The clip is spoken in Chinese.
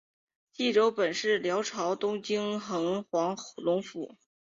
济州本是辽朝东京道黄龙府。